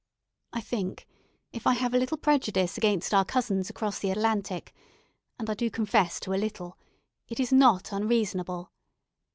I think, if I have a little prejudice against our cousins across the Atlantic and I do confess to a little it is not unreasonable.